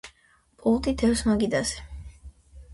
პულტი დევს მაგიდაზე